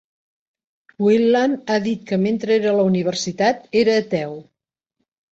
Wieland ha dit que, mentre era a la universitat, era ateu.